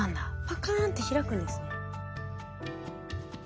パカーンって開くんですね。